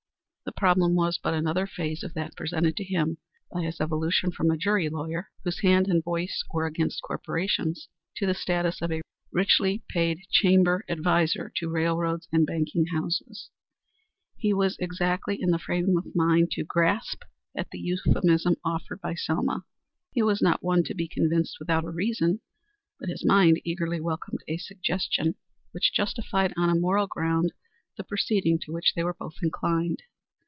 The problem was but another phase of that presented to him by his evolution from a jury lawyer, whose hand and voice were against corporations, to the status of a richly paid chamber adviser to railroads and banking houses. He was exactly in the frame of mind to grasp at the euphemism offered by Selma. He was not one to be convinced without a reason, but his mind eagerly welcomed a suggestion which justified on a moral ground the proceeding to which they were both inclined.